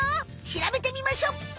しらべてみましょ！